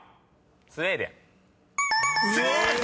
「スウェーデン」［正解！］